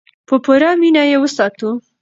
په پوره مینه یې وساتو.